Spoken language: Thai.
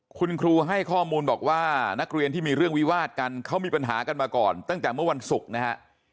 คุณครูให้ข้อมูลบอกว่านักเรียนที่มีเรื่องวิวาดกันเขามีปัญหากันมาก่อนตั้งแต่เมื่อวันศุกร์นะฮะ